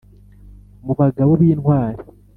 Mu bagabo b intwari